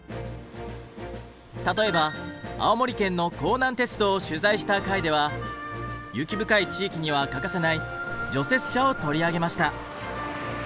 例えば青森県の弘南鉄道を取材した回では雪深い地域には欠かせない除雪車を取り上げました。